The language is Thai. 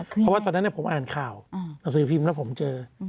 เพราะว่าตอนนั้นผมอ่านข่าวหนังสือพิมพ์แล้วผมเจอ